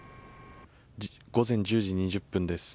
午前１０時２０分です。